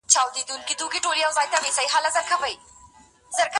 ډير احتياط دي وسي، چي حساسيتونه او نفرت رامنځ ته نسي.